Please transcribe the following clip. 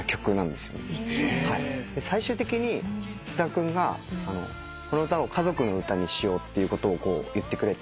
最終的に菅田君がこの歌を家族の歌にしようっていうことを言ってくれて。